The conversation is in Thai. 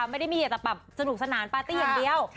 ไม่ได้มีเฉยแต่ตบปรับสนุกสนานปาร์ตี้อย่างเดียว